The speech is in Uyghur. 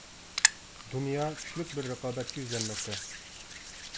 دۇنيا كۈچلۈك بىر رىقابەتكە يۈزلەنمەكتە.